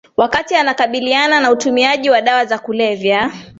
Wakati anakabiliana na utumiaji wa dawa za kulevya